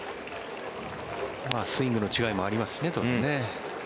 スイングの違いもありますしね当然ね。